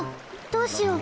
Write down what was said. どうしよう！